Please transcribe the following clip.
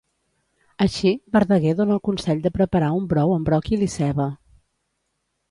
Així, Verdaguer dona el consell de preparar un brou amb bròquil i ceba.